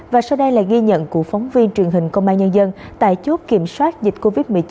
và sau đây là ghi nhận của phóng viên truyền hình công an nhân dân tại chốt kiểm soát dịch covid một mươi chín